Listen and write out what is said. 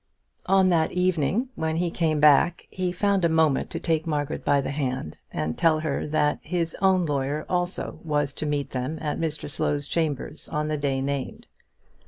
On that evening, when he came back, he found a moment to take Margaret by the hand and tell her that his own lawyer also was to meet them at Mr Slow's chambers on the day named.